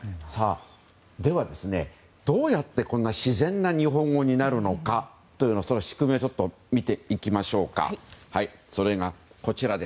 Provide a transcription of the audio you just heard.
ではどうやって自然な日本語になるのかというその仕組みを見ていきましょう。